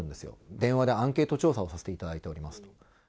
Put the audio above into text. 電話でアンケート調査をさせていただいております。